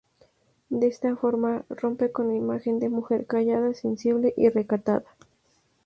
De esta forma, rompe con la imagen de mujer callada, sensible y recatada.